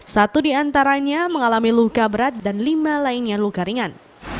semua lainnya luka ringan